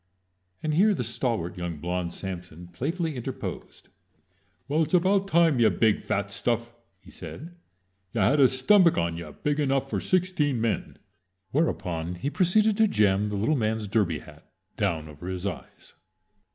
And here the stalwart young blond Samson playfully interposed. "Well, it was about time, ya big, fat stuff!" he said. "Ya had a stummick on ya big enough for sixteen men." Whereupon he proceeded to jam the little man's derby hat down over his eyes.